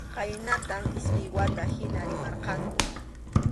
Khaynatam iskay wata hina rimarqanku.